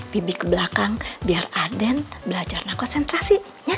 bibi ke belakang biar aden belajar nak konsentrasi